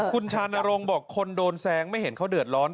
คุณชานรงค์บอกคนโดนแซงไม่เห็นเขาเดือดร้อน